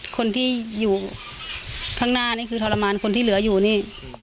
คนที่อยู่ข้างหน้านี่คือทรมานคนที่เหลืออยู่นี่